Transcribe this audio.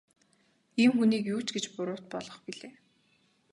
Ийм хүнийг юу ч гэж буруут болгох билээ.